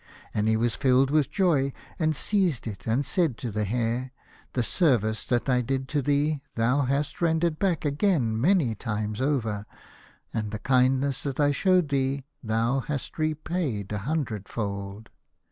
And he was filled with joy, and seized it, and said to the Hare, " The service that I did to thee thou hast rendered back again many times over, and the kindness that I showed thee thou hast repaid a hundred fold."